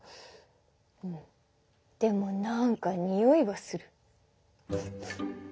でも何かにおいがする。